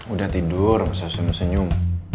udah tidur bisa senyum senyum